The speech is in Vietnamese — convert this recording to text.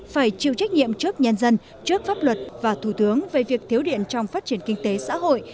phải chịu trách nhiệm trước nhân dân trước pháp luật và thủ tướng về việc thiếu điện trong phát triển kinh tế xã hội